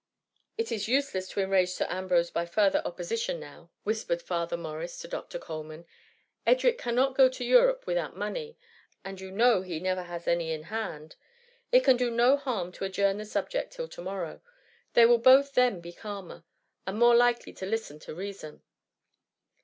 ^^^ It is useless to enrage Sir Ambrose by far ther opposition now,'' whispered Father Morris to Dr. Coleman ;'^ Edric cannot go to Egypt without money, and you know he never has any in hand. It can do no harm to adjourn the subject till to morrow : they will both then be calmer, and more likely to listen to reason.''